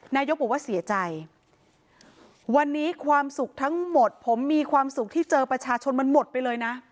นายกบอกว่าเสียใจวันนี้ความสุขทั้งหมดผมมีความสุขที่เจอประชาชนมันหมดไปเลยนะ